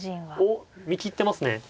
おっ見切ってますね。